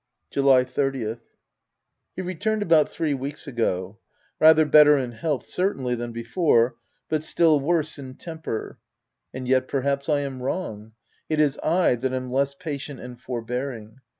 July 30th. — He returned about three weeks ago, rather better in health, certainly, than be fore, but still worse in temper. And yet, per haps, I am wrong : it is / that am less patient and forbearing.